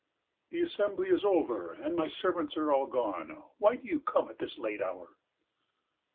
The assembly is over and my servants are all gone. Why do you come at this late hour?